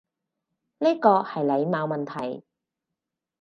呢個係禮貌問題